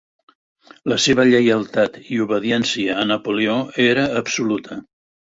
La seva lleialtat i obediència a Napoleó era absoluta.